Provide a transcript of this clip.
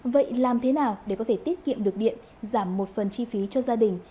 vậy làm thế nào để có thể tiết kiệm được điện giảm một phần chi phí cho gia đình